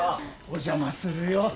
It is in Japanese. お邪魔するよ。